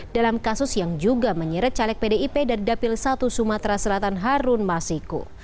dalam kasus yang juga menyeret caleg pdip dari dapil satu sumatera selatan harun masiku